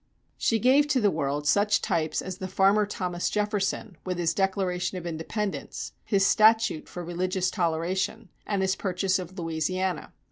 She gave to the world such types as the farmer Thomas Jefferson, with his Declaration of Independence, his statute for religious toleration, and his purchase of Louisiana.